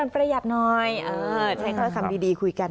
ปี๊ด